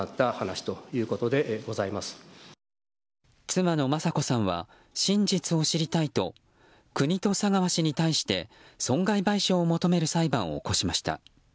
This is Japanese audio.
妻の雅子さんは真実を知りたいと国と佐川氏に対して損害賠償を求める裁判を起こしました。